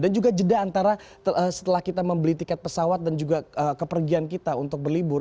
dan juga jeda antara setelah kita membeli tiket pesawat dan juga kepergian kita untuk berlibur